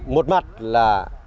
một mặt là